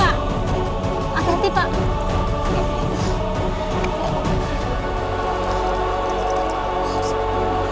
apa hati pak